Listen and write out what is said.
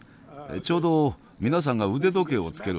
ちょうど皆さんが腕時計をつける辺りです。